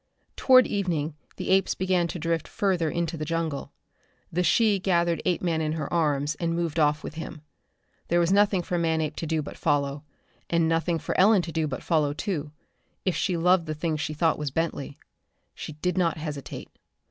Toward evening the apes began to drift further into the jungle. The she gathered Apeman in her arms and moved off with him. There was nothing for Manape to do but follow, and nothing for Ellen to do but follow, too if she loved the thing she thought was Bentley. She did not hesitate.